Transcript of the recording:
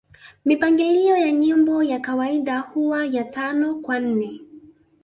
Mipangilio ya nyimbo ya kawaida huwa ya Tano kwa nne